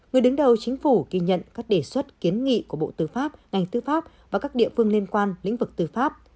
người đứng đầu chính phủ ghi nhận các đề xuất kiến nghị của bộ tư pháp ngành tư pháp và các địa phương liên quan lĩnh vực tư pháp